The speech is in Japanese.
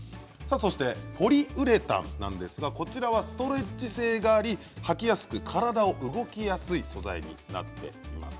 そしてポリウレタンなんですがこちらは、ストレッチ性がありはきやすく、体が動きやすい素材になっています。